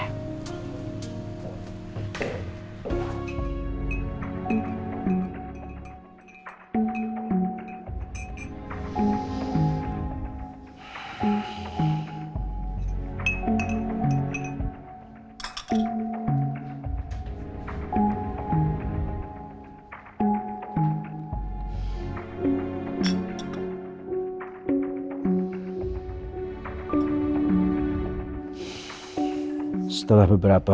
akhirnya saya bisa menjelaskan